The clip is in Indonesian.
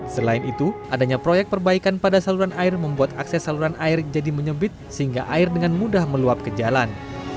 selain itu adanya proyek perbaikan pada saluran air membuat akses saluran air jadi menyebit sehingga air dengan mudah meluap ke jalan